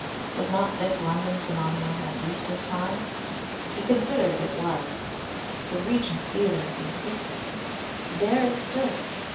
Was not this London phenomenon at least as fine? He considered it was. The Regent Theatre existed there it stood!